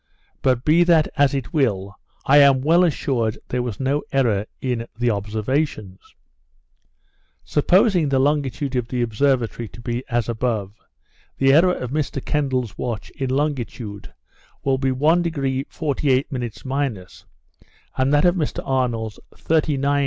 but, be it as it will, I am well assured there was no error in the observations. Supposing the longitude of the observatory to be as above, the error of Mr Kendal's watch, in longitude, will be 1° 48' minus, and that of Mr Arnold's 39° 25'.